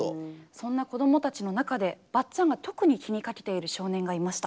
そんな子どもたちの中でばっちゃんが特に気にかけている少年がいました。